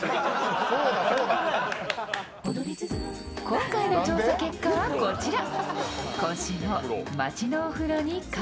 今回の調査結果はこちら。